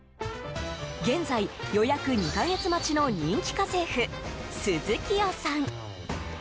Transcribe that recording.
現在、予約２か月待ちの人気家政婦すずきよさん。